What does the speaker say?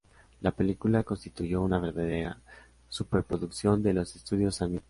La película constituyó una verdadera superproducción de los Estudios San Miguel.